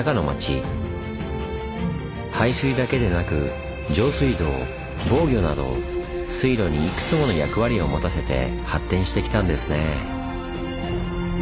排水だけでなく上水道防御など水路にいくつもの役割を持たせて発展してきたんですね。